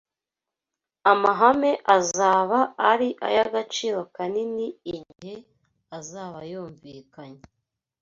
Amahame azaba ari ay’agaciro kanini igihe azaba yumvikanye